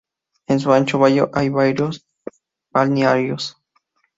En su ancho valle hay varios balnearios.